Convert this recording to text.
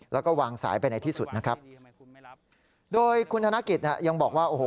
แล้วก็วางสายไปในที่สุดนะครับโดยคุณธนกิจเนี่ยยังบอกว่าโอ้โห